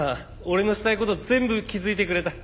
俺のしたい事全部気づいてくれた。